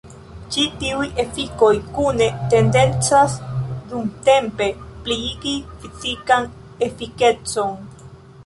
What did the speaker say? Ĉi tiuj efikoj kune tendencas dumtempe pliigi fizikan efikecon.